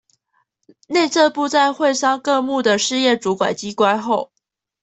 內政部在會商各目的事業主管機關後